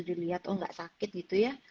dilihat oh nggak sakit gitu ya